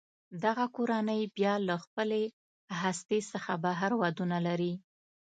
دغه کورنۍ بیا له خپلې هستې څخه بهر ودونه لري.